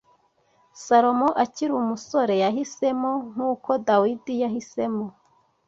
Salomo akiri umusore yahisemo nk’uko Dawidi yahisemo